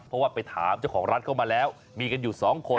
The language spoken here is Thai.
เพราะว่าไปถามเจ้าของร้านเข้ามาแล้วมีกันอยู่สองคน